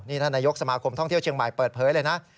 นี่ท่านนายกสมาคมท่องเที่ยวเชียงใหม่เปิดเผยเลยนะ